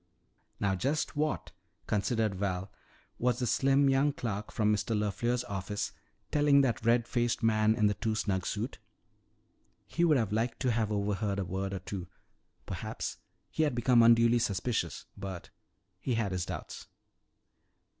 Now just what, considered Val, was the slim young clerk from Mr. LeFleur's office telling that red faced man in the too snug suit? He would have liked to have overheard a word or two. Perhaps he had become unduly suspicious but he had his doubts.